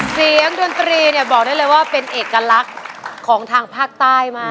ดนตรีเนี่ยบอกได้เลยว่าเป็นเอกลักษณ์ของทางภาคใต้มาก